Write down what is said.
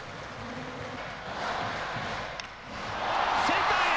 センターへ！